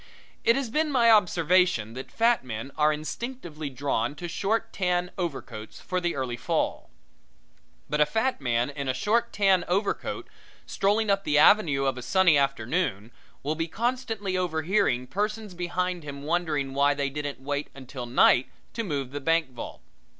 It has been my observation that fat men are instinctively drawn to short tan overcoats for the early fall. But a fat man in a short tan overcoat, strolling up the avenue of a sunny afternoon, will be constantly overhearing persons behind him wondering why they didn't wait until night to move the bank vault.